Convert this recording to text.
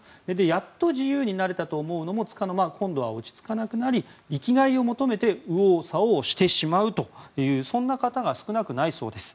やっと自由になれたと思うのもつかの間今度は落ち着かなくなり生きがいを求めて右往左往してしまうというそんな方が少なくないそうです。